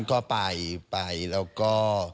ก็ไปไปแล้วก็